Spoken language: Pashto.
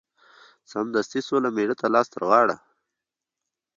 سمدستي سوله مېړه ته لاس ترغاړه